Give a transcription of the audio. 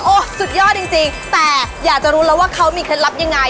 สุดยอดจริงแต่อยากจะรู้แล้วว่าเขามีเคล็ดลับยังไง